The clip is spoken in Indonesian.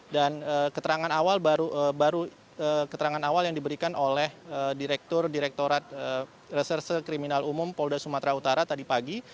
keterangan awal baru keterangan awal yang diberikan oleh direktur direktorat reserse kriminal umum polda sumatera utara tadi pagi